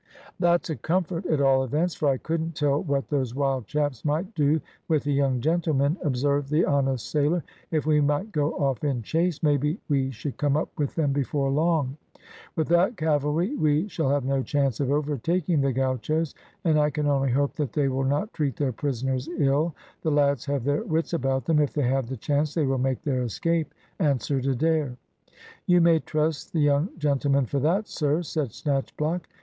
"That's a comfort, at all events, for I couldn't tell what those wild chaps might do with the young gentlemen," observed the honest sailor. "If we might go off in chase, maybe we should come up with them before long." "Without cavalry we shall have no chance of overtaking the gauchos, and I can only hope that they will not treat their prisoners ill. The lads have their wits about them; if they have the chance, they will make their escape," answered Adair. "You may trust the young gentlemen for that, sir," said Snatchblock.